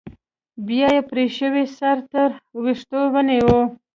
بيا يې پرې شوى سر تر ويښتو ونيو.